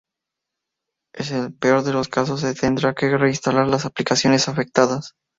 En el peor de los casos se tendrá que reinstalar las aplicaciones afectadas.